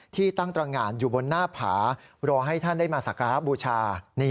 ที่ตั้งตรงานอยู่บนหน้าผารอให้ท่านได้มาสักการะบูชา